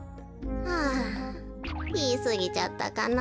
はぁいいすぎちゃったかな。